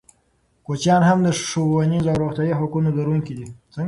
کوچیان هم د ښوونیزو او روغتیايي حقونو لرونکي دي.